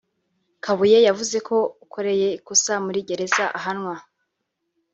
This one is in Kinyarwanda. Kabuye yavuze ko ukoreye ikosa muri gereza ahanwa